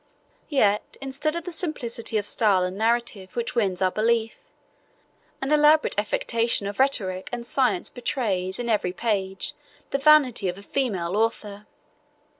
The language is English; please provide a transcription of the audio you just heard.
Yet, instead of the simplicity of style and narrative which wins our belief, an elaborate affectation of rhetoric and science betrays in every page the vanity of a female author.